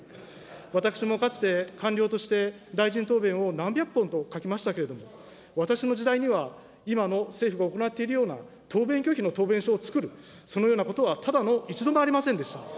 私もかつて官僚として、大臣答弁を何百本も書きましたけれども、私の時代には、今の政府が行っているような答弁拒否の答弁書をつくる、そのようなことは、ただの一度もありませんでした。